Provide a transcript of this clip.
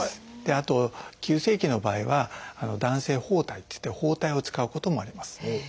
あと急性期の場合は弾性包帯っていって包帯を使うこともあります。